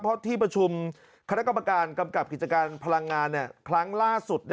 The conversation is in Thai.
เพราะที่ประชุมคณะกรรมการกำกับกิจการพลังงานครั้งล่าสุด